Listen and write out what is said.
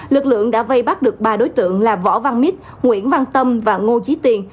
lực lượng đã vây bắt được ba đối tượng là võ văn mít nguyễn văn tâm và ngô trí tiền